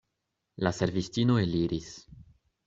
La servistino eliris.